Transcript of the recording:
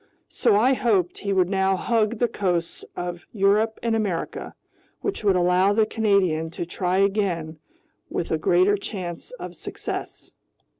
So I hoped he would now hug the coasts of Europe and America, which would allow the Canadian to try again with a greater chance of success.